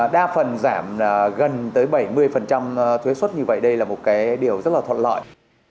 đa phần giảm gần tới bảy mươi thuế xuất như vậy đây là một cái điều rất là thuận lợi